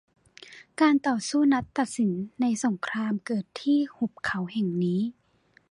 การต่อสู้นัดตัดสินในสงครามเกิดที่หุบเขาแห่งนี้